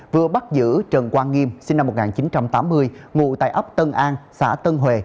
vừa bắt giữ trần quang nghiêm sinh năm một nghìn chín trăm tám mươi ngụ tại ấp tân an xã tân hê